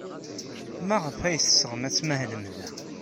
Maɣef ay teɣsem ad tmahlem da?